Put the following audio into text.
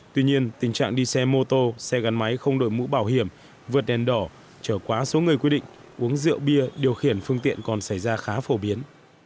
tuy nhiên tình trạng đi xe mô tô xe gắn máy không đổi mũ bảo hiểm vượt đèn đỏ trở quá số người quy định uống rượu bia điều khiển phương tiện còn xảy ra khá phổ biến